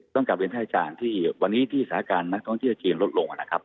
ต้องกลับเรียนไทยจากที่วันนี้ที่สถาการณ์มันต้องเชื่อจีนลดลงอ่ะนะครับ